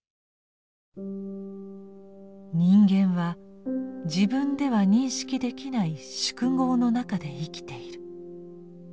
人間は自分では認識できない「宿業」の中で生きている。